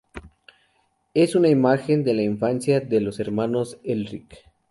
Es una amiga de la infancia de los hermanos Elric.